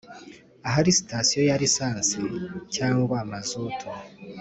Ahari sitasiyo ya lisansi cyangwa mazutu